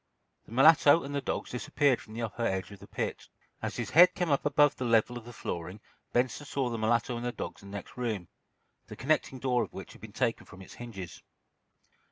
The mulatto and the dogs disappeared from the upper edge of the pit. As his head came up above the level of the flooring Benson saw the mulatto and the dogs in the next room, the connecting door of which had been taken from its hinges.